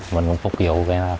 mình cũng phục vụ